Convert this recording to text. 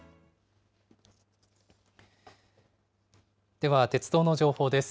では、鉄道の情報です。